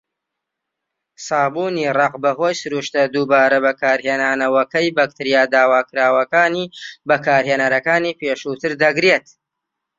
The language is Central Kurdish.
سابوونی ڕەق، بەهۆی سروشتە دووبارە بەکارهێنانەوەکەی، بەکتریا داواکراوەکانی بەکارهێنەرەکانی پێشووتر دەگرێت.